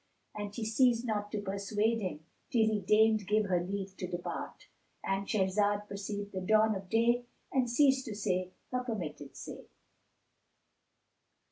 And she ceased not to persuade him, till he deigned give her leave to depart.—And Shahrazad perceived the dawn of day and ceased to say her permitted say.